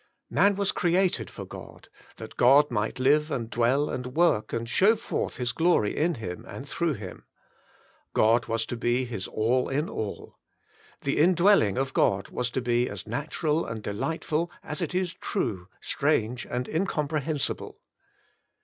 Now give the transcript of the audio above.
Man was created for God, that God might live and dwell and work and show forth His glory in him and through him. God was to be his all in all. The indwelling of God was to be as natural and delightful as it is true, strange and incomprehensible.